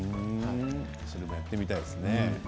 それもやってみたいですね。